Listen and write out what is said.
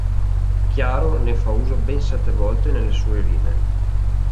Chiaro ne fa uso ben sette volte nelle sue "Rime".